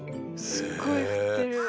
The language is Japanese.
すっごい振ってる。